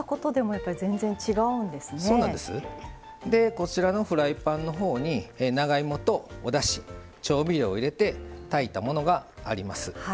こちらのフライパンのほうに長芋とおだし調味料を入れて炊いたものがあります。